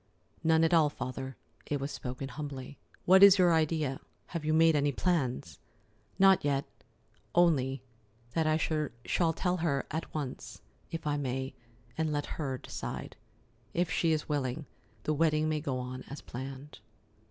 "None at all, Father." It was spoken humbly. "What is your idea? Have you made any plans?" "Not yet—only, that I shall tell her at once, if I may, and let her decide. If she is willing, the wedding may go on as planned."